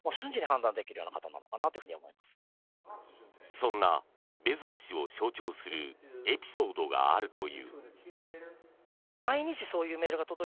そんなベゾス氏を象徴するエピソードがあるという。